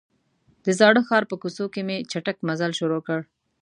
د زاړه ښار په کوڅو کې مې چټک مزل شروع کړ.